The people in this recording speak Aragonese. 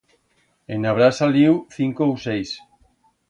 En habrá saliu cinco u seis.